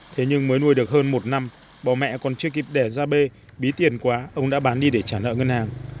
thế nhưng mới nuôi được hơn một năm bà mẹ còn chưa kịp đẻ ra bê bí tiền quá ông đã bán đi để trả nợ ngân hàng